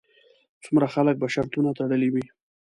څومره خلکو به شرطونه تړلې وي.